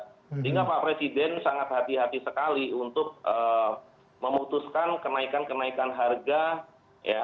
sehingga pak presiden sangat hati hati sekali untuk memutuskan kenaikan kenaikan harga ya